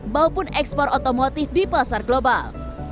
maupun ekspor otomotif di pasar global